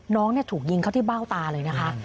น้องถูกยิงเขาที่เบ้าตาเลยนะคะ